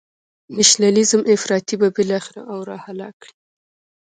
نشنلیزم افراطی به بالاخره او را هلاک کړي.